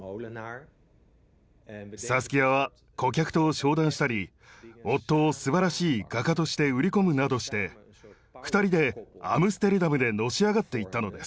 サスキアは顧客と商談したり夫をすばらしい画家として売り込むなどして２人でアムステルダムでのし上がっていったのです。